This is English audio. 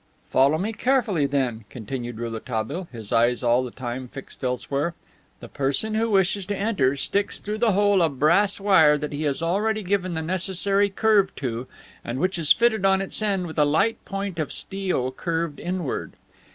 "Follow me carefully, then," continued Rouletabille, his eyes all the time fixed elsewhere. "The person who wishes to enter sticks through the hole a brass wire that he has already given the necessary curve to and which is fitted on its end with a light point of steel curved inward.